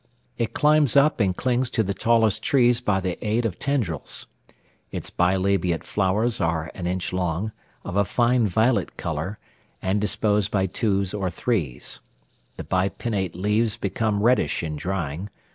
It climbs up and clings to the tallest trees by the aid of tendrils. Its bilabiate flowers are an inch long, of a fine violet colour, and disposed by twos or threes. The bipinnate leaves become reddish in drying.